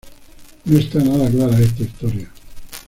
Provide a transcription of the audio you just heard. No está nada clara esta historia.